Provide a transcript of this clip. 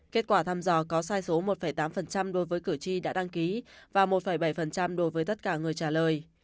kết quả thăm dò có sai số một tám đối với cử tri đã đăng ký và một bảy đối với tất cả người trả lời